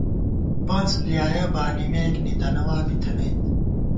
پنَڅ بلیایَہ بانِمېک ، نِتَنَوا بِی تھنَئیت